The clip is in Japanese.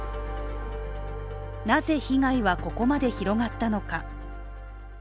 なぜ、被害はここまで広がったのか。